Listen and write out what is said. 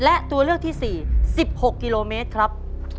และตัวเลือกที่๔๑๖กิโลเมตรครับ